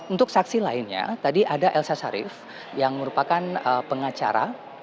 untuk saksi lainnya tadi ada elsa sharif yang merupakan pengacara